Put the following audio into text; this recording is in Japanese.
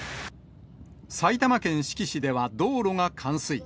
埼玉県志木市では道路が冠水。